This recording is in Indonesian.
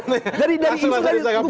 masuk masuk asn